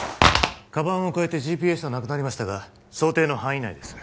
カバンを替えてＧＰＳはなくなりましたが想定の範囲内です